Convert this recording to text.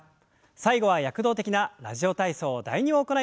最後は躍動的な「ラジオ体操第２」を行います。